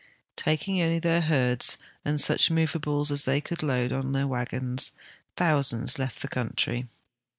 Taking only their herds and such movables as they could load on their wagons, thousands left the country.